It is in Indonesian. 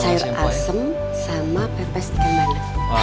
air asem sama pepes kemana